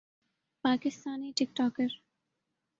Pakistani ٹک talker